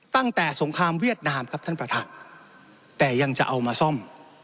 สงครามเวียดนามครับท่านประธานแต่ยังจะเอามาซ่อม